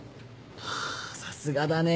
はさすがだね。